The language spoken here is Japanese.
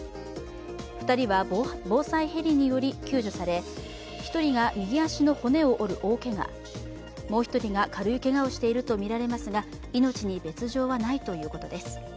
２人は防災ヘリにより救助され１人が右足の骨を折る大けが、もう一人が軽いけがをしているとみられますが命に別状はないということです。